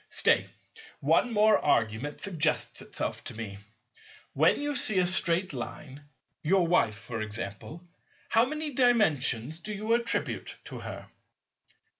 Stay; one more argument suggests itself to me. When you see a Straight Line— your wife, for example—how many Dimensions do you attribute to her?